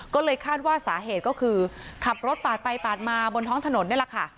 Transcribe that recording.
ก็เลยคาดว่าสาเหตุก็คือขับรถปาดไปปาดมาบนท้องถนนนี่แหละค่ะ